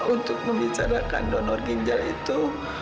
untuk membicarakan donor ginjal itu